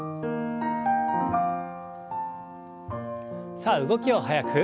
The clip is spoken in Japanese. さあ動きを速く。